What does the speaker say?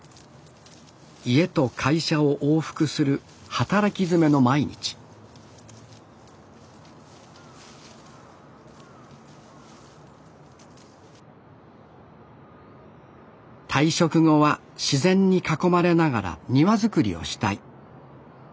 家と会社を往復する働きづめの毎日退職後は自然に囲まれながら庭作りをしたい。